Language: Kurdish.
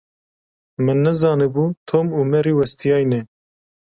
Min nizanîbû Tom û Mary westiyayî ne.